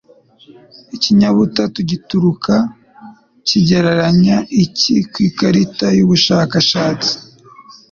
Ikinyabutatu gitukura kigereranya iki ku Ikarita y'Ubushakashatsi?